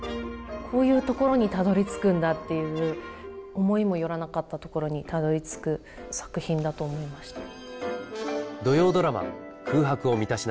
こういうところにたどりつくんだっていう思いも寄らなかったところにたどりつく作品だと思いました。